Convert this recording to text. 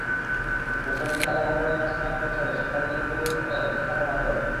মুদ্রানীতি আরও ভালোভাবে বাস্তবায়ন করতে হলে সরকারি ব্যাংকগুলোর অদক্ষতা কমাতে হবে।